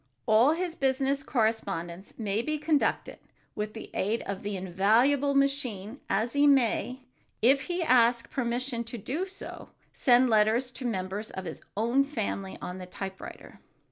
All his business correspondence may be conducted with the aid of the invaluable machine, and he may, if he ask permission to do so, send letters to members of his own family on the typewriter.